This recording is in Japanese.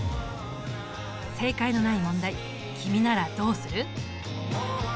正解のない問題君ならどうする？